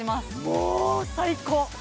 もう最高！